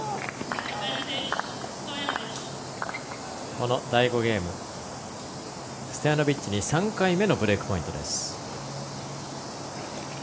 この第５ゲームストヤノビッチに３回目のブレークポイントです。